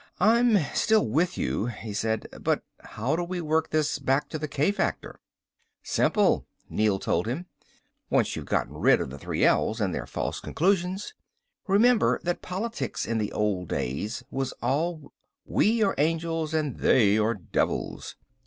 "I'm still with you," he said. "But how do we work this back to the k factor?" "Simple," Neel told him. "Once you've gotten rid of the 3L's and their false conclusions. Remember that politics in the old days was all We are angels and They are devils.